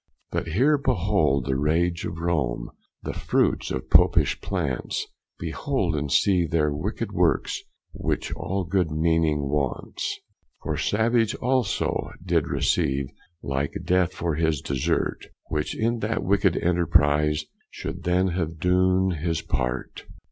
But heer beholde the rage of Rome, The fruits of Popish plants; Beholde and see their wicked woorks, Which all good meaning wants: For Savage also did receave Like death for his desert, Which in that wicked enterprise Should then have doon his part.